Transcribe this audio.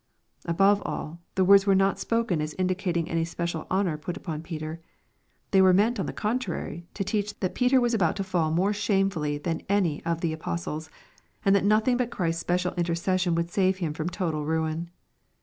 Above all, the words were not spoken as indicating any special honor put upon Peter. They were meant on the contrary to teach, that Peter was about to fall more shamefully than any of the apostles, and that nothing but Christ's special intercession would save him firom total ruin.